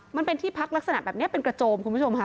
มันเป็นที่พักลักษณะแบบนี้เป็นกระโจมคุณผู้ชมค่ะ